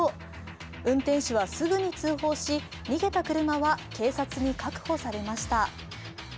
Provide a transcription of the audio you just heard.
運転手はすぐに通報し、逃げた車は警察に確保されました。